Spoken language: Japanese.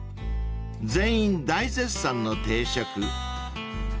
［全員大絶賛の定食］